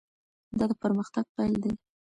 دا د پرمختګ پیل دی.